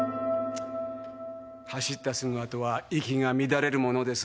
走ったすぐあとは息が乱れるものです。